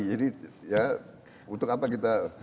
jadi untuk apa kita